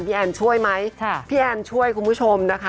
แอนช่วยไหมพี่แอนช่วยคุณผู้ชมนะคะ